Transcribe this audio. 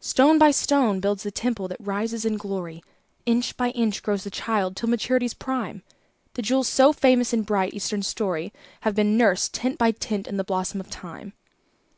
Stone by stone builds the temple that rises in glory, Inch by inch grows the child till maturity's prime; The jewels so famous in bright, Eastern story Have been nursed, tint by tint, in the blossom of Time.